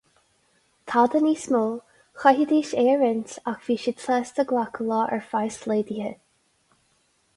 Tada níos mó, chaithfidís é a roinnt ach bhí siad sásta glacadh leo ar phraghas laghdaithe.